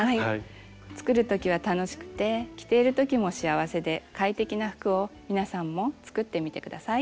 作るときは楽しくて着ているときも幸せで快適な服を皆さんも作ってみて下さい。